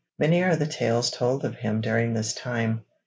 Many are the tales told of him during this time.